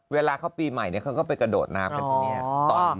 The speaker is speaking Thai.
เวลาเขาปีใหม่เขาก็ไปกระโดดน้ำกันที่นี่